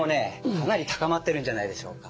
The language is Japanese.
かなり高まってるんじゃないでしょうか。